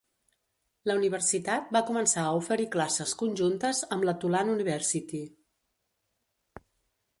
La universitat va començar a oferir classes conjuntes amb la Tulane University.